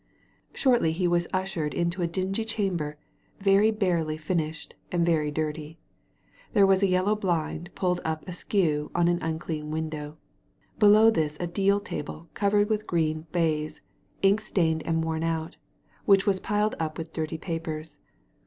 Shortly he was ushered into a dingy chamber, very barely furnished, and very dirty. There was a yellow blind pulled up askew on an unclean window ; below this a deal table covered with green baize, ink stained and worn out, which was piled up with dirty papers.